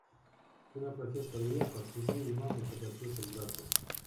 Когда профессор уехал, Сергей Иванович обратился к брату.